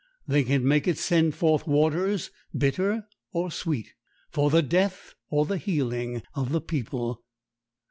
They can make it send forth waters bitter or sweet, for the death or the healing of the people.